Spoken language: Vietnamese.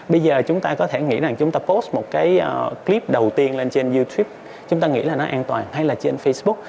bây giờ chúng ta có thể nghĩ rằng chúng ta post một cái clip đầu tiên lên trên youtube chúng ta nghĩ là nó an toàn hay là trên facebook